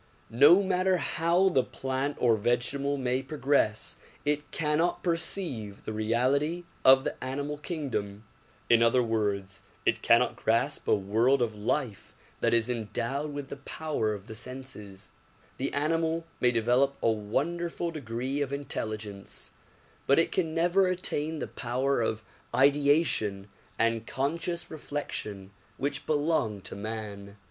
No matter how the plant or vegetable may progress it cannot perceive the reality of the animal kingdom; in other words it cannot grasp a world of life that is endowed with the power of the senses. The animal may develop a wonderful degree of intelligence but it can never attain the power of ideation and conscious reflection which 167 168 THE PROMULGATION OF UNIVERSAL PEACE belong to man.